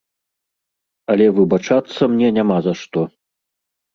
Але выбачацца мне няма за што.